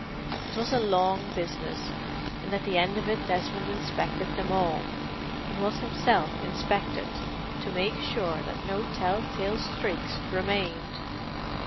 It was a long business, and at the end of it Desmond inspected them all, and was himself inspected, to make sure that no tell tale streaks remained.